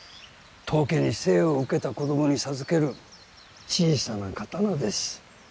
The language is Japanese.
当家に生を受けた子どもに授ける小さな刀です